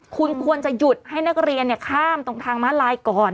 คุณควรจะหยุดให้นักเรียนข้ามตรงทางม้าลายก่อน